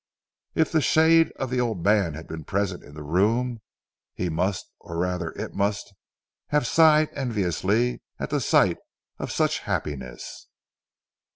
If the shade of the old man had been present in the room, he must or rather It must have sighed enviously at the sight of such happiness.